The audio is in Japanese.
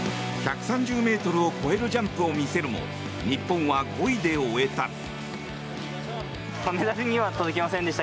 １３０ｍを超えるジャンプを見せるも日本は５位で終えた。